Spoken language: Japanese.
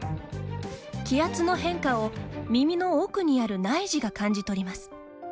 気圧の変化を耳の奥にある内耳が感じ取ります。